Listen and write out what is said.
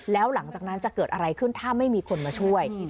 แล้วหลังจากนั้นจะเกิดอะไรขึ้นถ้าไม่มีคนมาช่วย